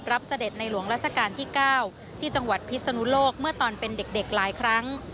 เสด็จในหลวงราชการที่๙ที่จังหวัดพิศนุโลกเมื่อตอนเป็นเด็กหลายครั้ง